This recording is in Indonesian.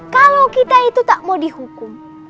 kalau kita itu tak mau dihukum